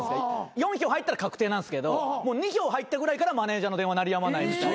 ４票入ったら確定なんですけどもう２票入ったぐらいからマネジャーの電話鳴りやまないみたいな。